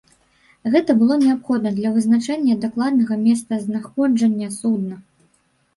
Гэта было неабходна для вызначэння дакладнага месцазнаходжання судна.